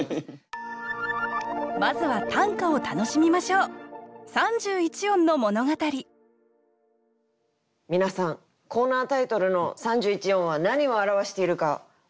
まずは短歌を楽しみましょう皆さんコーナータイトルの「三十一音」は何を表しているか分かりますか？